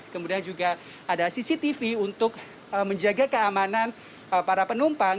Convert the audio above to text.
kemudian juga ada cctv untuk menjaga keamanan para penumpang